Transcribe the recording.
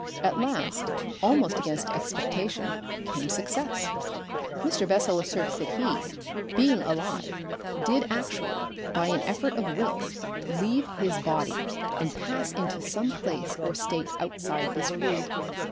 At last, almost against expectation, came success. And Mr. Bessel asserts that he, being alive, did actually, by an effort of will, leave his body and pass into some place or state outside this world.